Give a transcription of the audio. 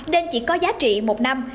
nên chỉ có giá trị một năm